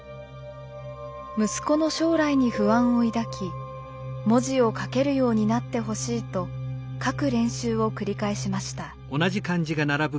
息子の将来に不安を抱き文字を書けるようになってほしいと書く練習を繰り返しました。